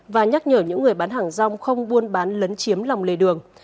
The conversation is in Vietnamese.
và nhắc nhở những người bán hàng rong không buôn bán lấn chiếm lòng lề đường